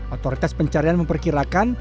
otoritas pencarian memperkirakan